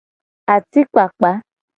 Atikpakpa.